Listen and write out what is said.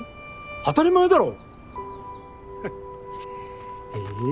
当たり前だろ！